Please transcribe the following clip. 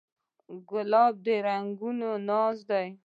ګلاب د رنګونو ناز دی.